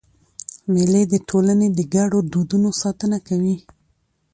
مېلې د ټولني د ګډو دودونو ساتنه کوي.